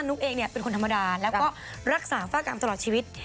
ุ๊กเองเป็นคนธรรมดาแล้วก็รักษาฟากรรมตลอดชีวิต